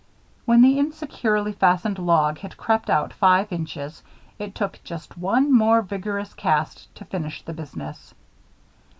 When the insecurely fastened log had crept out five inches, it took just one more vigorous cast to finish the business.